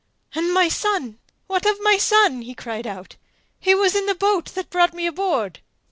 "And my son? What of my son?" he cried out. "He was in the boat that brought me aboard."